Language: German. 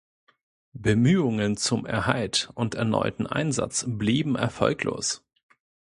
Bemühungen zum Erhalt und erneuten Einsatz blieben erfolglos.